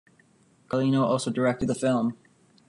Carlino also directed the film.